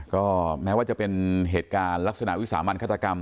ก็แม้ว่าจะเป็นเหตุการณ์ลักษณะวิสามันฆาตกรรม